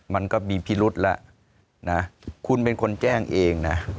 มันก็มีพิรุษแล้วนะคุณเป็นคนแจ้งเองนะ